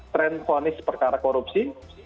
tren ponis perkara korupsi